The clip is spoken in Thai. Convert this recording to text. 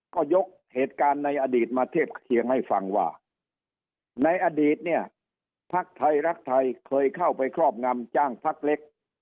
ก็ยกเหตุการณ์ในอดีตมาเทียบเคียงให้ฟังว่าในอดีตเนี่ยภักดิ์ไทยรักไทยเคยเข้าไปครอบงำจ้างพักเล็ก